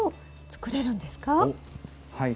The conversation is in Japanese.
はい。